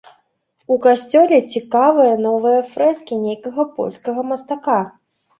У касцёле цікавыя новыя фрэскі нейкага польскага мастака.